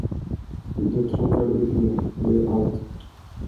Det tråkar ut mig, det är allt.